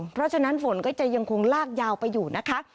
เพราะฉะนั้นฝนก็จะยังคงลากยาวไปอยู่นะคะ